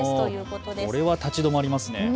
これは立ち止まりますね。